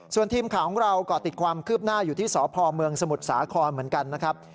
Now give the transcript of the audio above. ส่วนทีมข่าวของเราก็ติดความคืบหน้าอยู่ที่สพเมืองสมุทรสาครเหมือนกันนะครับ